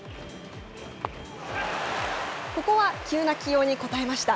ここは急な起用に応えました。